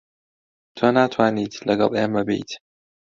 تۆ ناتوانیت لەگەڵ ئێمە بێیت.